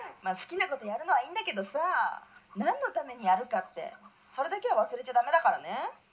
まあ好きなことやるのはいいんだけどさあ何のためにやるかってそれだけは忘れちゃダメだからね」。